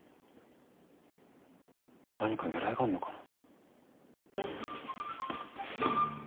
何かねらいがあるのかな。